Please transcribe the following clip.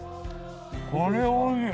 これはおいしい。